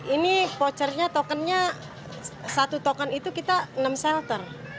ini vouchernya tokennya satu token itu kita enam shelter